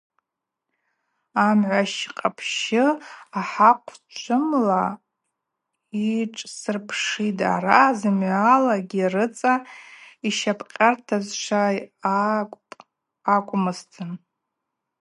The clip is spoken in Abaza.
Амгӏващ къапщы Ахӏахъвчвымла йашӏсырпшытӏ, араъа зымгӏвалагьи рыцӏа йщапӏкъьартазшва йаъапӏ акӏвмызтын.